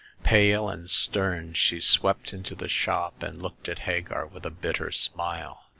Pale and stern, she swept into the shop, and looked at Hagar with a bitter smile.